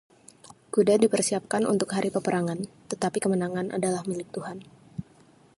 Kuda dipersiapkan untuk hari peperangan, tetapi kemenangan adalah milik Tuhan.